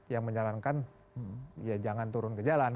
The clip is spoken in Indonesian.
yang menjalankan ya jangan turun ke jalan